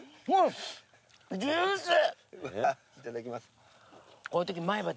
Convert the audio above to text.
いただきます。